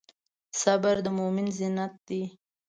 صبر د مؤمن زینت دی.